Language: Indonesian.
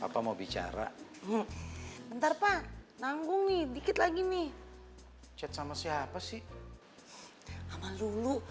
hai apa mau bicara ntar pak nanggung nih dikit lagi nih cat sama siapa sih sama lulu